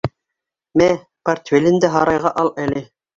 Мә, портфелен дә һарайға ал әле.